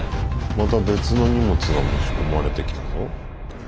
また別の荷物が持ち込まれてきたぞ。